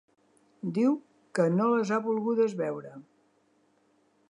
Diu que no les ha volgudes veure.